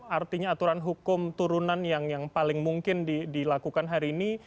artinya aturan hukum turunan yang paling mungkin dilakukan hari ini